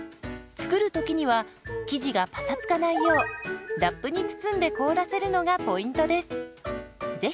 作る時には生地がパサつかないようラップに包んで凍らせるのがポイントです。